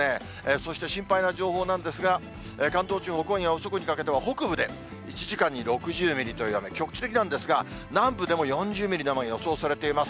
そして心配な情報なんですが、関東地方、今夜遅くにかけては北部で１時間に６０ミリという雨、局地的なんですが、南部でも４０ミリの雨が予想されています。